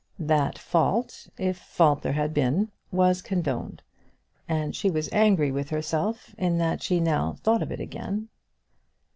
That fault, if fault there had been, was condoned; and she was angry with herself in that she now thought of it again.